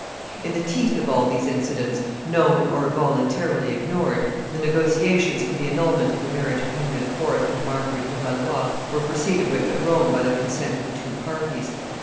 In the teeth of all these incidents, known or voluntarily ignored, the negotiations for the annulment of the marriage of Henry IV. and Marguerite de Valois were proceeded with at Rome by consent of the two parties.